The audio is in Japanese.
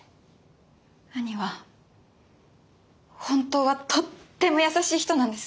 兄は本当はとっても優しい人なんです。